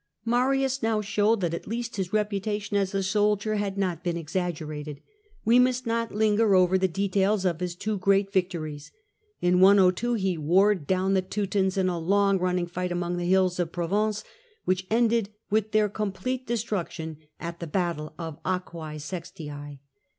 Marius now showed that at least his reputation as a soldier had not been exaggerated. We must not linger over the details of his two great victories. In 102 he warred down the Teutons in a long running fight among the hills of Provence, which ended with their complete destruction at the battle of Aquae Sextiae.